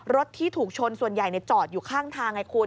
รถที่ถูกชนส่วนใหญ่จอดอยู่ข้างทางไงคุณ